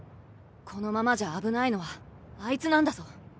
このままじゃ危ないのはあいつなんだぞ。